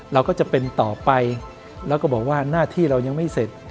เราก็จะเป็นต่อไปแล้วก็บอกว่าหน้าที่เรายังไม่เสร็จ